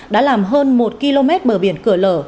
đã làm hơn một km bờ biển cửa lở